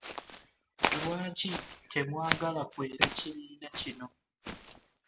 Lwaki temwagala kwera kibiina kino?